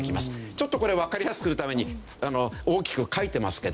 ちょっとこれわかりやすくするために大きく描いてますけど。